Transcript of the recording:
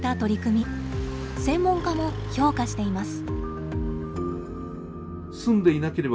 専門家も評価しています。